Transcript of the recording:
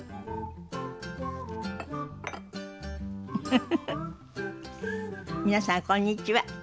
フフフフ皆さんこんにちは。